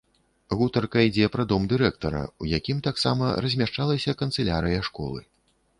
Гутарка ідзе пра дом дырэктара, у якім таксама размяшчалася канцылярыя школы.